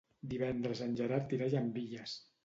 Divendres en Gerard irà a Llambilles.